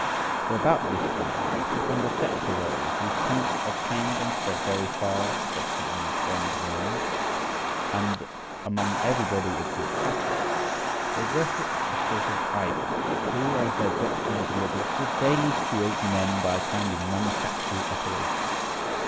For about this time it happened a sect arose whose tenets obtained and spread very far, especially in the grand monde, and among everybody of good fashion. They worshipped a sort of idol {72a}, who, as their doctrine delivered, did daily create men by a kind of manufactory operation.